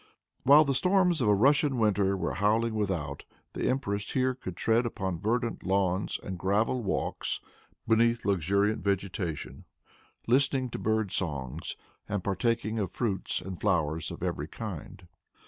While the storms of a Russian winter were howling without, the empress here could tread upon verdant lawns and gravel walks beneath luxuriant vegetation, listening to bird songs and partaking of fruits and flowers of every kind.